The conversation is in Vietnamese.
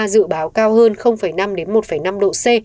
dự báo cao hơn năm một năm độ c